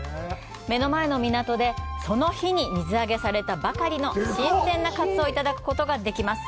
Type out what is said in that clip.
目の前の港で、その日に水揚げされたばかりの新鮮なカツオをいただくことができます。